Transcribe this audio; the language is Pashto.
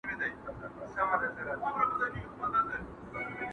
څوك وتلى په شل ځله تر تلك دئ.!